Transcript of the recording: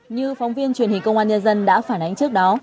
như phóng viên truyền hình công an nhân dân đã phản ánh trước đó